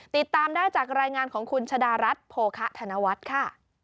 ติดตามได้จากรายงานของคุณชะดารัฐโภคะธนวัฒน์ค่ะ